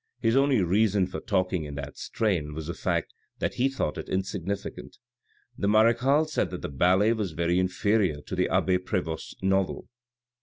His only reason for talking in that strain was the fact that he thought it insignificant. The marechale said that the ballet was very inferior to the abbe Prevost's novel.